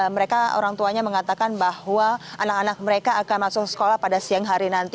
mereka orang tuanya mengatakan bahwa anak anak mereka akan masuk sekolah pada siang hari nanti